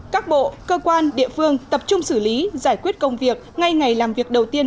các bộ cơ quan địa phương tập trung xử lý giải quyết công việc ngay ngày làm việc đầu tiên